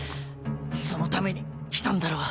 そのために来たんだろ？